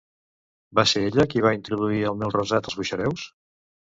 Va ser ella qui va introduir el Melrosada als Buxareu?